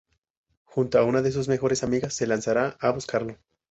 Junto a una de sus mejores amigas, se lanzará a buscarlo.